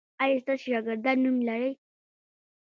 ایا ستاسو شاګردان نوم لری؟